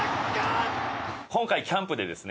今回キャンプでですね